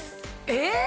えっ！